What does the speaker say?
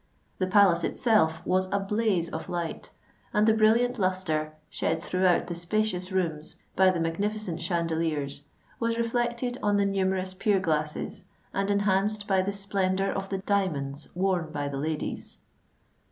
The palace itself was a blaze of light; and the brilliant lustre, shed throughout the spacious rooms by the magnificent chandeliers, was reflected on the numerous pier glasses and enhanced by the splendour of the diamonds worn by the ladies.